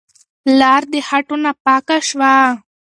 لار د خټو نه پاکه شوه.